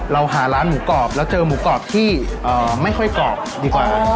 เราหาร้านหมูกรอบแล้วเจอหมูกรอบที่ไม่ค่อยกรอบดีกว่า